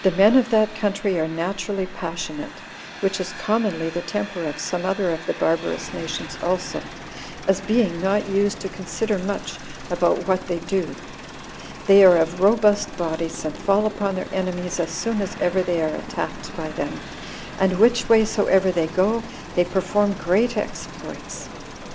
The men of that country are naturally passionate, which is commonly the temper of some other of the barbarous nations also, as being not used to consider much about what they do; they are of robust bodies and fall upon their enemies as soon as ever they are attacked by them; and which way soever they go, they perform great exploits.